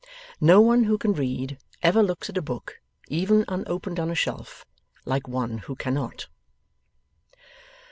No one who can read, ever looks at a book, even unopened on a shelf, like one who cannot.